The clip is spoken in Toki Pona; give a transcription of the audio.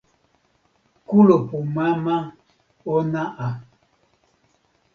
kulupu mama ona a.